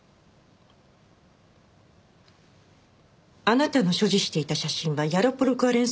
あなたの所持していた写真はヤロポロク・アレン